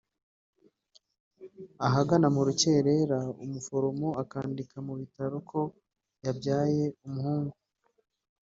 ahagana mu rukerera umuforomo akandika mu bitabo ko yabyaye umuhungu